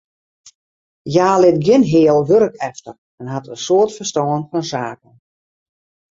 Hja lit gjin heal wurk efter en hat in soad ferstân fan saken.